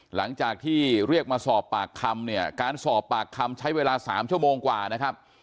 หลังจากที่เรียกมาสอบปากคำเนี่ยการสอบปากคำใช้เวลา๓ชั่วโมงกว่านะครับ